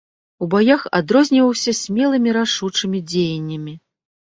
У баях адрозніваўся смелымі рашучымі дзеяннямі.